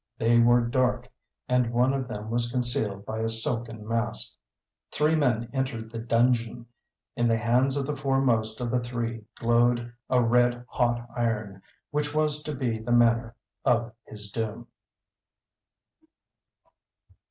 They were dark, and one of them was concealed by a silken mask. Three men entered the dungeon. In the hands of the foremost of the three glowed a red hot iron, which was to be the manner of his doom.